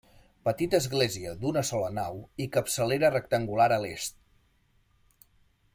Petita església d'una sola nau i capçalera rectangular a l'est.